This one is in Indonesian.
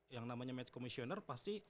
yang namanya match komisioner pasti